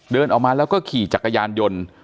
เดินออกมาแล้วก็ขี่จักรยานยนต์